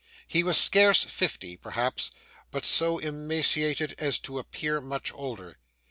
He was scarce fifty, perhaps, but so emaciated as to appear much older.